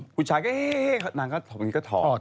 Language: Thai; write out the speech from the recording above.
ผู้ชายก็เฮ้นางนี้ก็ถอด